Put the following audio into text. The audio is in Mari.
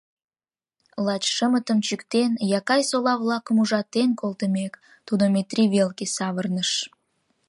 Лач шымытым чӱктен, якайсола-влакым ужатен колтымек, тудо Метрий велке савырныш: